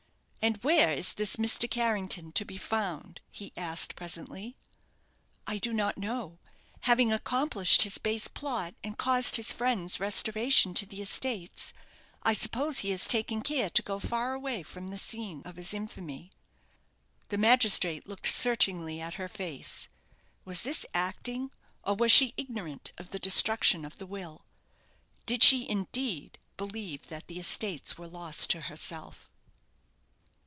"And where is this Mr. Carrington now to be found?" he asked, presently. "I do not know. Having accomplished his base plot, and caused his friend's restoration to the estates, I suppose he has taken care to go far away from the scene of his infamy." The magistrate looked searchingly at her face. Was this acting, or was she ignorant of the destruction of the will? Did she, indeed, believe that the estates were lost to herself?